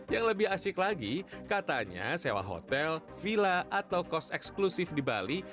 yang lebih asik lagi katanya sewa hotel villa atau kos eksklusif di bali